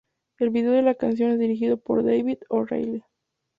El video de la canción es dirigido por David O'Reilly.